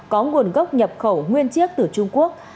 có nguồn gốc nhập khẩu nguyên chiếc từ trung quốc